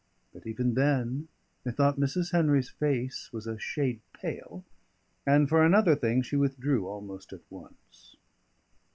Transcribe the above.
But even then, methought Mrs. Henry's face was a shade pale; and, for another thing, she withdrew almost at once.